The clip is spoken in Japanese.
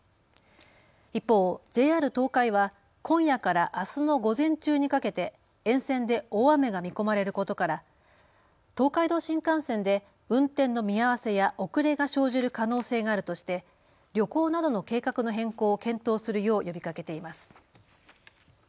一方、ＪＲ東海は今夜からあすの午前中にかけて沿線で大雨が見込まれることから東海道新幹線で運転の見合わせや遅れが生じる可能性があるとして旅行などの計画の変更を検討するよう呼びかけています。